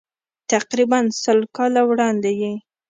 تقریباً سل کاله وړاندې یې.